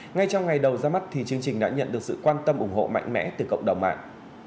ngay trong ngày đầu ra mắt thì chương trình đã nhận được sự quan tâm ủng hộ mạnh mẽ từ cộng đồng mạng